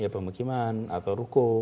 ya pemukiman atau ruko